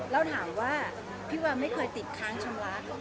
แล้วถามว่าพี่วาไม่เคยติดค้างชำระ